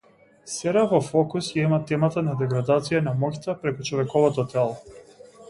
Сера во фокус ја има темата на деградација на моќта преку човековото тело.